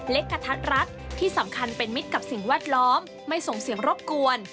กระทัดรัดที่สำคัญเป็นมิตรกับสิ่งแวดล้อมไม่ส่งเสียงรบกวน